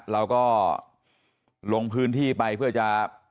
เราก็ลงพื้นที่ไปเพื่อจะ